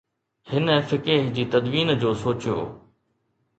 هن فقه جي تدوين جو سوچيو.